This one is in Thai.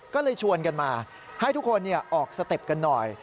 ก็เลยชวนกันมาให้ทุกคนออกสเต็ปกันหน่อย